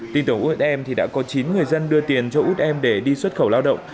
tin tưởng us em thì đã có chín người dân đưa tiền cho út em để đi xuất khẩu lao động